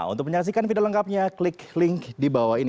untuk menyaksikan video lengkapnya klik link di bawah ini